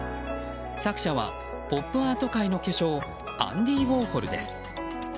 作者はポップアート界の巨匠アンディ・ウォーホルです。